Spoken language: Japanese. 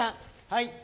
はい。